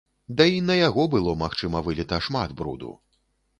Да і на яго было, магчыма, выліта шмат бруду.